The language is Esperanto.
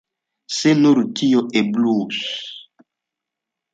Se nur tio eblus!